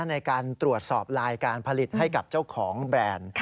ในการตรวจสอบลายการผลิตให้กับเจ้าของแบรนด์